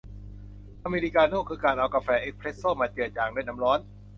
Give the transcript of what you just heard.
อเมริกาโน่ คือการเอากาแฟเอสเพรสโซ่มาเจือจางด้วยน้ำร้อน